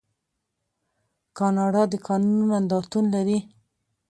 کاناډا د کانونو نندارتون لري.